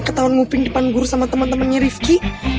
ketauan nguping depan guru sama temen temennya rifki